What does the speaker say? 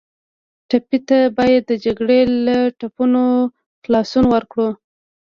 ټپي ته باید د جګړې له ټپونو خلاصون ورکړو.